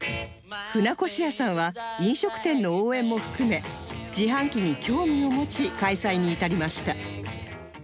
船越谷さんは飲食店の応援も含め自販機に興味を持ち開催に至りました